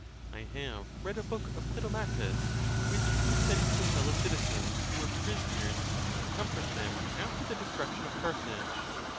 I have read a book of Clitomachus, which he sent to his fellow citizens who were prisoners, to com fort them after the destruction of Carthage.